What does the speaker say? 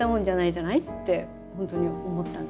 本当に思ったんですけどね。